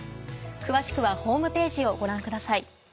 詳しくはホームページをご覧ください。